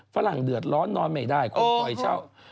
ฝรั่งเดือดร้อนนอนไม่ได้คนคอยเช่า